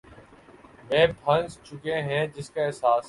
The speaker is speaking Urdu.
میں پھنس چکے ہیں جس کا احساس